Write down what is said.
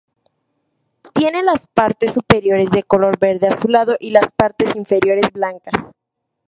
Tiene las partes superiores de color verde azulado y las partes inferiores blancas.